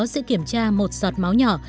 sẽ kiểm tra một sọt máu nhỏ